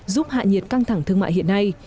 giúp hạ nhiệt căng thẳng thương mại hiện nay